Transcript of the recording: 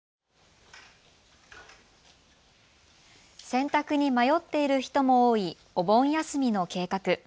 選択に迷っている人も多いお盆休みの計画。